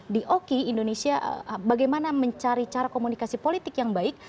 di oki indonesia bagaimana mencari cara komunikasi politik yang baik